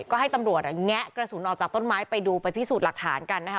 ก็ให้ตำรวจแงะกระสุนออกจากต้นไม้ไปดูไปพิสูจน์หลักฐานกันนะคะ